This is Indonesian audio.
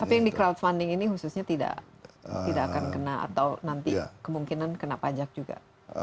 tapi yang di crowdfunding ini khususnya tidak akan kena atau nanti kemungkinan kena pajak juga